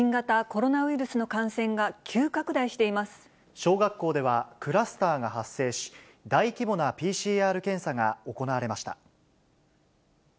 小学校ではクラスターが発生し、大規模なＰＣＲ検査が行われました。